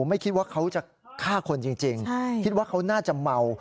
ไม่คิดว่าเขาจะฆ่าคนจริงคิดว่าเขาน่าจะเมา